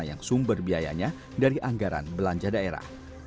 yang sumber biayanya dari anggaran belanja daerah